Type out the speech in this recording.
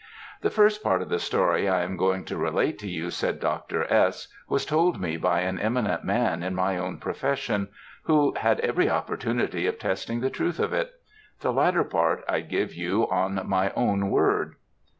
"The first part of the story I am going to relate to you," said Dr. S., "was told me by an eminent man in my own profession, who had every opportunity of testing the truth of it; the latter part I give you on my own word.